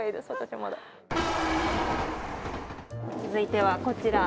続いてはこちら。